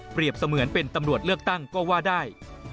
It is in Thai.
เสมือนเป็นตำรวจเลือกตั้งก็ว่าได้